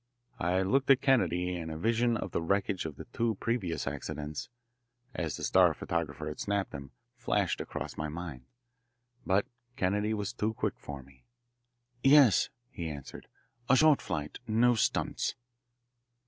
I looked at Kennedy, and a vision of the wreckage of the two previous accidents, as the Star photographer had snapped them, flashed across my mind. But Kennedy was too quick for me. "Yes," he answered. "A short flight. No stunts."